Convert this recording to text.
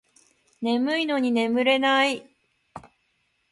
眠いのに寝れない